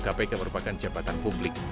kpk merupakan jabatan publik